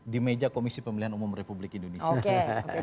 di meja komisi pemilihan umum republik indonesia